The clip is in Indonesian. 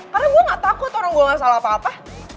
karena gue gak takut orang gue ngerasain apa apa